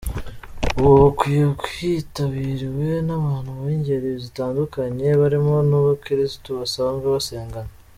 Ubu bukwe bwitabiriwe n’abantu b’ingeri zitandukanye barimo n’abakirisitu basanzwe basengana.